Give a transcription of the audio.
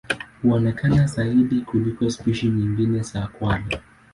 Huonekana zaidi kuliko spishi nyingine za kwale.